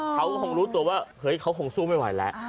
เขาก็คงรู้ตัวว่าเฮ้ยเขาคงสู้ไม่ไหวแล้ว